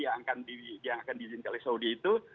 yang akan diizinkan oleh saudi itu